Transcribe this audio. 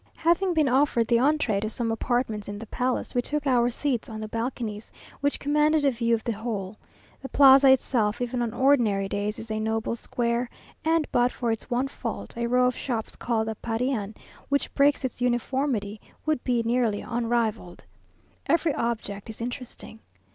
Having been offered the entree to some apartments in the palace, we took our seats on the balconies, which commanded a view of the whole. The Plaza itself, even on ordinary days, is a noble square, and but for its one fault, a row of shops called the Parian, which breaks its uniformity, would be nearly unrivalled. Every object is interesting.